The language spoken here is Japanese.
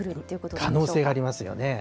可能性がありますよね。